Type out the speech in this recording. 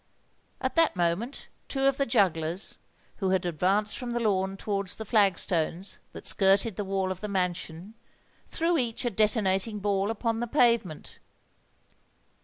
At that moment two of the jugglers who had advanced from the lawn towards the flag stones that skirted the wall of the mansion, threw each a detonating ball upon the pavement.